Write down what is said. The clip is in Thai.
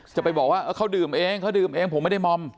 จะไปบอกว่าเขาดื่มเองเขาดื่มเองผมไม่ได้มอม